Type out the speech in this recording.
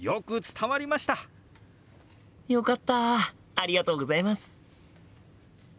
ありがとうございます！